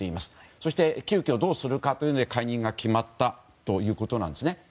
そして、急きょどうするかということで解任が決まったんですね。